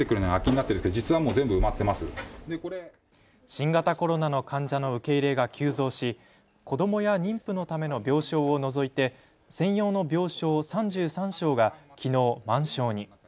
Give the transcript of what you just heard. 新型コロナの患者の受け入れが急増し、子どもや妊婦のための病床を除いて専用の病床３３床がきのう満床に。